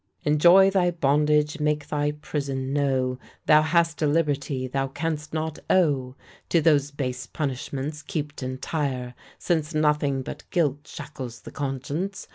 Enjoy thy bondage, make thy prison know Thou hast a liberty, thou canst not owe To those base punishments; keep't entire, since Nothing but guilt shackles the conscience.